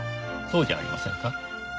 そうじゃありませんか？